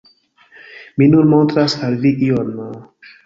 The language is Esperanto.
Mi nun montras al vi ion...